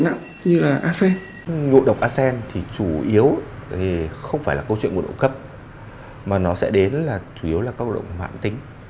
nhụ độc asean thì chủ yếu thì không phải là câu chuyện nguồn độ cấp mà nó sẽ đến là chủ yếu là câu động hạn tính